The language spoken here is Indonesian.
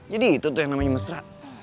jadi itu tuh yang namanya mesra